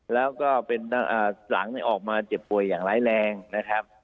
แล้วก็เป็นหลังออกมาเจ็บป่วยอย่างร้ายแรงนะครับ